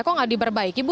kok gak diperbaiki bu